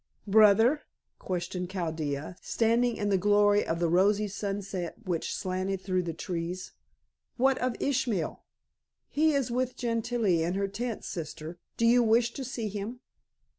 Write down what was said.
"Brother?" questioned Chaldea, standing in the glory of the rosy sunset which slanted through the trees. "What of Ishmael?" "He is with Gentilla in her tent, sister. Do you wish to see him?"